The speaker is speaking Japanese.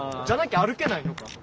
じゃなきゃ歩けないのか。